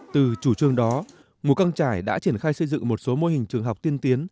từ chủ trương đó mù căng trải đã triển khai xây dựng một số mô hình trường học tiên tiến